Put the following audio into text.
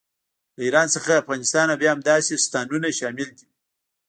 له ایران څخه افغانستان او بیا همداسې ستانونه شامل دي.